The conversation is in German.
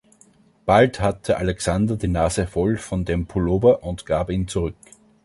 Bald hatte Alexander die Nase voll von dem Pullover und gab ihn zurück.